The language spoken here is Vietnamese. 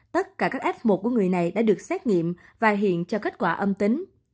tất cả các f một của người này đã được xét nghiệm và hiện cho kết quả âm tính